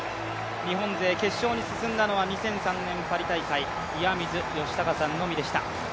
日本勢、決勝に進んだのは２００３年パリ大会岩水嘉孝さんのみでした。